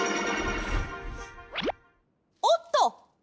おっと！